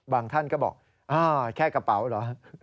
ท่านก็บอกแค่กระเป๋าเหรอ